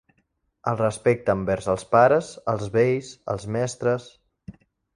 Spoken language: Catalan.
El respecte envers els pares, els vells, els mestres.